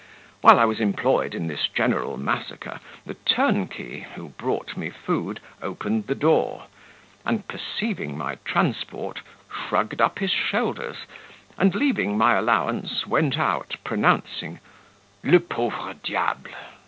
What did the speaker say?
While I was employed in this general massacre, the turnkey, who brought me food, opened the door, and perceiving my transport, shrugged up his shoulders, and leaving my allowance, went out, pronouncing, Le pauvre diable!